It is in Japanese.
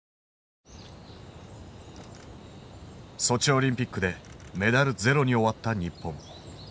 ソチオリンピックでメダルゼロに終わった日本。